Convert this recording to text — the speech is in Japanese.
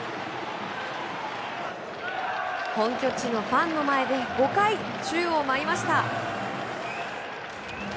本拠地のファンの前で５回、宙を舞いました。